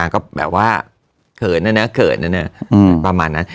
ก็แบบว่าเขินแล้วเนี่ยเขินแล้วเนี่ยประมาณนั้น